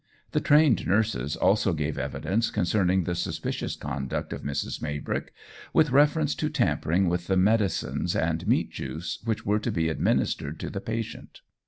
The trained nurses also gave evidence concerning the suspicious conduct of Mrs. Maybrick, with reference to tampering with the medicines and meat juice which were to be administered to the patient.